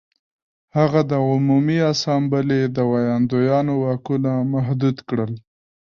هغه د عمومي اسامبلې د ویاندویانو واکونه محدود کړل